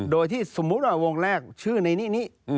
โดยที่สมมุติว่าวงแรกชื่อในนี้